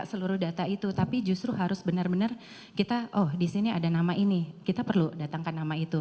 dengan itu tapi justru harus benar benar kita oh di sini ada nama ini kita perlu datangkan nama itu